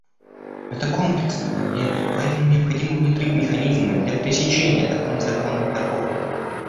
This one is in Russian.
Это комплексная проблема, и поэтому необходимо внедрить механизмы для пресечения такой незаконной торговли.